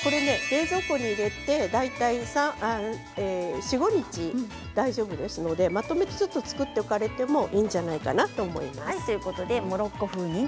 冷蔵庫に入れて大体４、５日、大丈夫ですのでまとめてちょっと作っておかれてもいいんじゃないかなと思います。